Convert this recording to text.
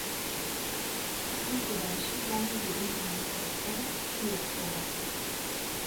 Оттон Седалищев Ваня бүгүн кинини соһутта да, үөртэ да